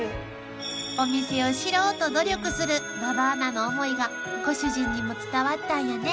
［お店を知ろうと努力する馬場アナの思いがご主人にも伝わったんやね］